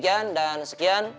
demikian dan sekian